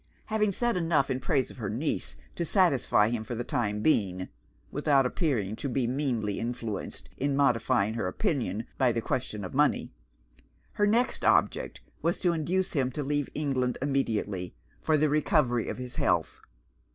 Having said enough in praise of her niece to satisfy him for the time being (without appearing to be meanly influenced, in modifying her opinion, by the question of money), her next object was to induce him to leave England immediately, for the recovery of his health.